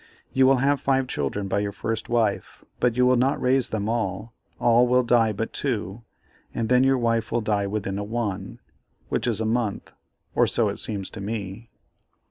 You will have five children by your first wife, but you will not raise them all. All will die but two, and then your wife will die within a 1, which is a month, or so it seems to me."